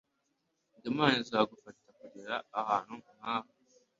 ngo Imana izagufashe kugera ahantu nkaha